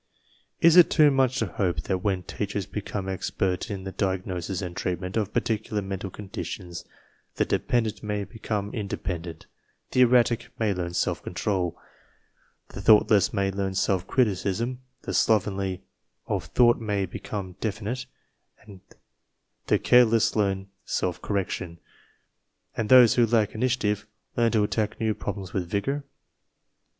Is it too much to hope that when teachers become expert in the diag nosis and treatment of particular mental conditions, the dependent may become independent, the erratic \^ 70 TESTS AND SCHOOL REORGANIZATION may learn self control, the thoughtless may learn self criticism, the slovenly of thought may become definite, the careless learn self correction, and those who lack initiative learn to attack new problems with vigor?